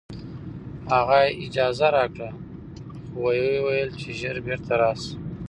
هغه اجازه راکړه خو وویل چې ژر بېرته راشه